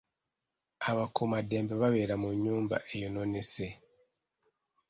Abakuumaddembe babeera mu nnyumba eyonoonese.